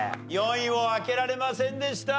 ４位を開けられませんでした。